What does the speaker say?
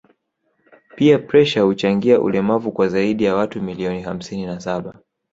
pia presha huchangia ulemavu kwa zaidi ya watu milioni hamsini na saba